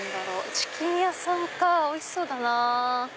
チキン屋さんかおいしそうだな。